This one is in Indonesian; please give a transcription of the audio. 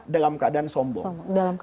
dalam keadaan sombong